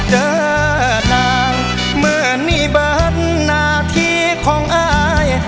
เหมือนในบัตรหน้าที่ของอ้าย